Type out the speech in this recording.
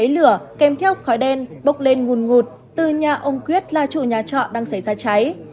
tôi thấy lửa kèm theo khói đen bốc lên ngùn ngụt từ nhà ông quyết là chủ nhà trọ đang xảy ra cháy